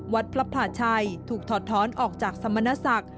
วัดพระผาชัยถูกถอดท้อนออกจากสมณศักดิ์